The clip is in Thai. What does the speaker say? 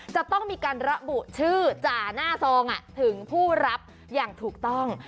จะต้องมีการระบุชื่อจ่าหน้าซองถึงผู้รับอย่างถูกต้อง